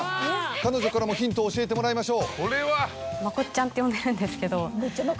彼女からもヒントを教えてもらいましょう。